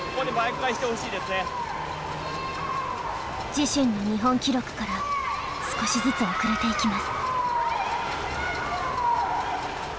自身の日本記録から少しずつ遅れていきます。